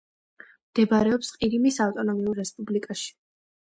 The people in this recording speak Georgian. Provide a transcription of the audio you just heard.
მდებარეობს ყირიმის ავტონომიურ რესპუბლიკაში.